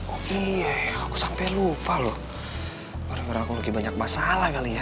oh iya aku s learning halo baru aku lagi banyak masalah kali ya